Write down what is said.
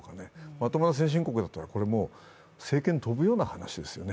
まともな先進国だったら政権が飛ぶ話ですよね。